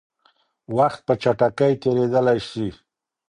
وخت په چټکۍ تېرېدلی شي.